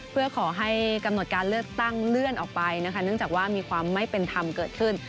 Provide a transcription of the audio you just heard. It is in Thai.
เพื่อขอให้กำหนดการเลือกตั้งเลื่อนออกไปนะคะเนื่องจากว่ามีความไม่เป็นธรรมเกิดขึ้น